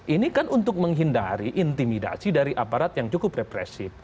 ini kan untuk menghindari intimidasi dari aparat yang cukup represif